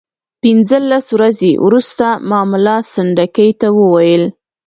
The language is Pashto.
پنځلس ورځې وروسته ما ملا سنډکي ته وویل.